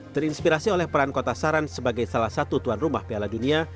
terinspirasi oleh peran kota saran sebagai salah satu tuan rumah piala dunia